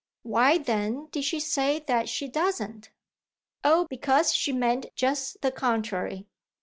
"Why then did she say that she doesn't?" "Oh because she meant just the contrary."